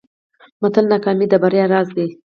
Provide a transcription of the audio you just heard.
متل: ناکامي د بریا راز دی.